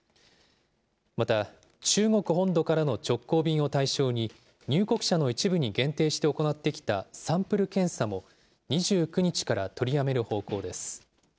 また、中国本土からの直行便を対象に、入国者の一部に限定して行ってきたサンプル検査も、２９日から取りやめる方向です。